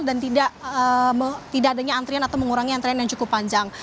dan tidak adanya antrian atau mengurangi antrian yang cukup panjang